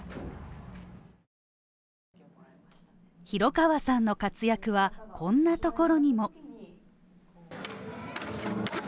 廣川さんの活躍は、こんなところにも。